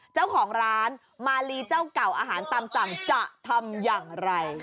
เจ้าของร้านมาลีเจ้าเก่าอาหารตามสั่งจะทำอย่างไร